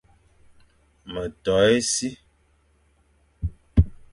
Me to e si,